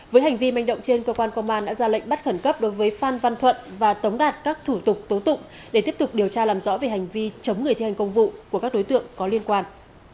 với hành vi manh động trên cơ quan công an đã ra lệnh bắt khẩn cấp đối với phan văn thuận và tống đạt các thủ tục tố tụng để tiếp tục điều tra làm rõ về hành vi chống người thi hành công vụ của các đối tượng có liên quan